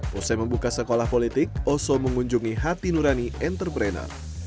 setelah membuka sekolah politik oso mengunjungi hati nurani entrepreneur